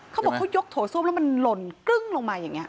เขาบอกเขายกโถส้วมแล้วมันหล่นกรึ้งลงมาอย่างนี้